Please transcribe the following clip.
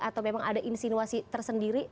atau memang ada insinuasi tersendiri